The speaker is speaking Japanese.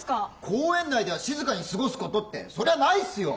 「公園内では静かに過ごすこと」ってそりゃないっすよ！